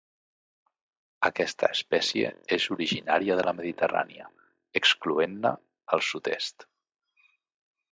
Aquesta espècie és originària de la Mediterrània, excloent-ne el sud-est.